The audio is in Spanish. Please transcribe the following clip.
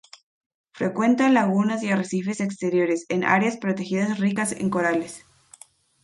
Frecuenta lagunas y arrecifes exteriores, en áreas protegidas ricas en corales.